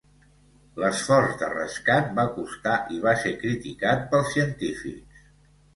L'esforç de rescat va costar i va ser criticat pels científics.